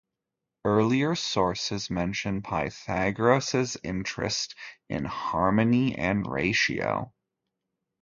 Earlier sources mention Pythagoras' interest in harmony and ratio.